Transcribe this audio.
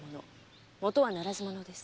元はならず者です。